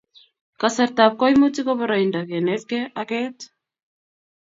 Kasartap koimutik ko poroindap kenetkey ak keet